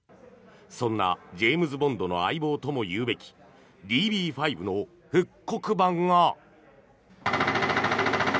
そんなジェームズ・ボンドの相棒ともいうべきＤＢ５の復刻版が。